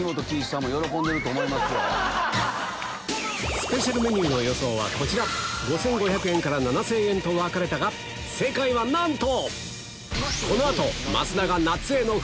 スペシャルメニューの予想はこちら５５００円から７０００円と分かれたが正解はなんと！